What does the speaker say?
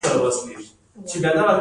رسمي جریده ولې مهمه ده؟